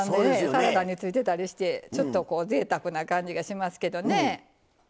サラダについてたりしてちょっとぜいたくな感じがしますけどね。